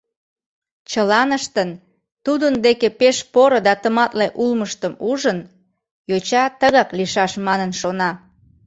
Чыланыштын тудын деке пеш поро да тыматле улмыштым ужын, йоча тыгак лийшаш манын шона.